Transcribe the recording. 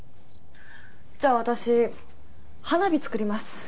じゃあ私花火作ります。